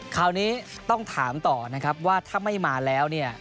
คราวนี้ต้องถามต่อนะครับว่าถ้าไม่มาแล้วเนี่ย